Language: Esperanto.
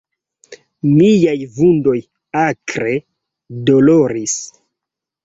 Miaj vundoj akre doloris.